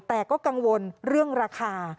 แต่ก็กังวลเรื่องราคา